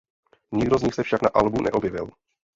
Nikdo z nich se však na albu neobjevil.